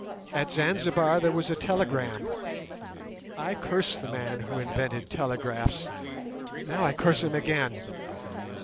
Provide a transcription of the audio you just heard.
At Zanzibar there was a telegram. I cursed the man who invented telegraphs. Now I curse him again.